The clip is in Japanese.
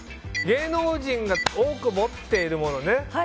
芸能人が多く持っているものね。